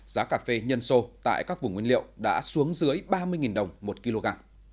giá cà phê nhân sô tại các vùng nguyên liệu đã xuống dưới ba mươi đồng một kg